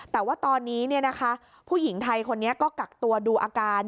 แต่ว่าตอนนี้ผู้หญิงไทยคนนี้ก็กักตัวดูอาการ